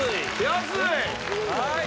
安い！